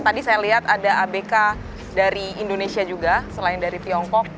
tadi saya lihat ada abk dari indonesia juga selain dari tiongkok